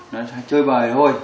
nó chơi bời thôi